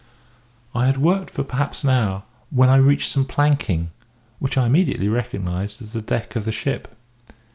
I had worked for perhaps an hour, when I reached some planking, which I immediately recognised as the deck of the ship.